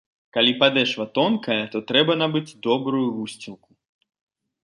Калі падэшва тонкая, то трэба набыць добрую вусцілку.